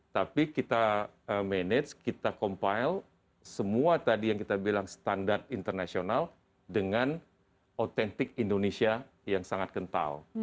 tapi kita manage kita compile semua tadi yang kita bilang standar internasional dengan autentik indonesia yang sangat kental